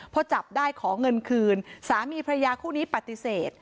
พอจับได้ขอเงินคืนสามีพระยาคู่นี้ปฏิเสธ